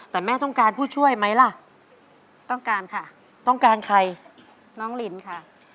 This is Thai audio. แต่แม่ต้องการผู้ช่วยไหมล่ะต้องการค่ะต้องการใครน้องลินค่ะ